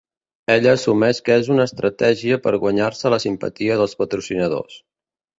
Ella assumeix que és una estratègia per guanyar-se la simpatia dels patrocinadors.